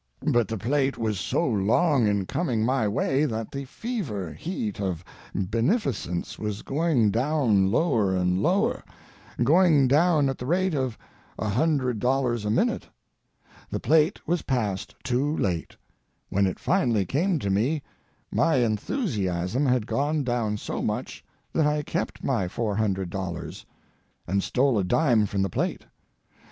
But the plate was so long in coming my way that the fever heat of beneficence was going down lower and lower—going down at the rate of a hundred dollars a minute. The plate was passed too late. When it finally came to me, my enthusiasm had gone down so much that I kept my four hundred dollars—and stole a dime from the plate.